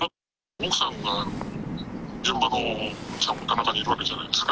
奥さんが現場のちゃんこ田中にいるわけじゃないですか。